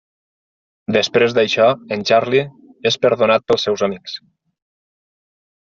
Després d'això en Charlie és perdonat pels seus amics.